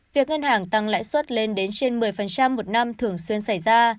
việc ngân hàng tăng lãi suất lên đến trên một mươi một năm thường xuyên xảy ra